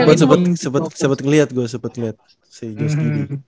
ya sempet sempet sempet ngeliat gue sempet liat si josh giddy